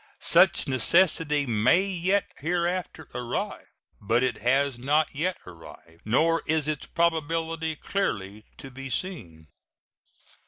Such necessity may yet hereafter arrive, but it has not yet arrived, nor is its probability clearly to be seen.